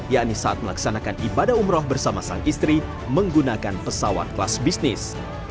yakni saat melaksanakan ibadah umroh bersama sang istri menggunakan pesawat kelas bisnis